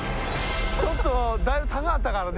ちょっとだいぶ高かったからね